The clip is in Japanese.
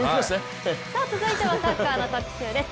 続いてはサッカーの特集です。